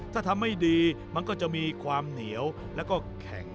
ถ้าทำไม่ดีมันก็จะมีความเหนียวแล้วก็แข็ง